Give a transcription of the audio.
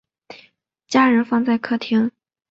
家人放在客厅